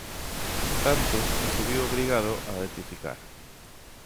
Tanto que se viu obrigado a rectificar.